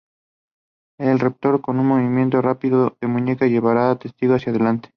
El receptor, con un movimiento rápido de muñeca llevará el testigo hacia delante.